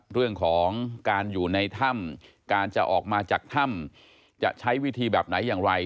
เรื่องของการอยู่ในถ้ำการจะออกมาจากถ้ำจะใช้วิธีแบบไหนอย่างไร